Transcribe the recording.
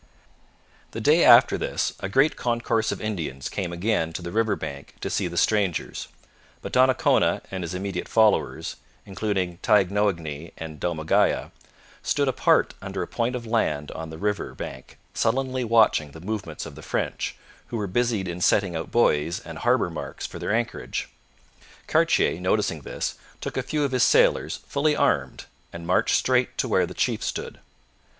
The day after this a great concourse of Indians came again to the river bank to see the strangers, but Donnacona and his immediate followers, including Taignoagny and Domagaya, stood apart under a point of land on the river bank sullenly watching the movements of the French, who were busied in setting out buoys and harbour marks for their anchorage. Cartier, noticing this, took a few of his sailors, fully armed, and marched straight to where the chief stood.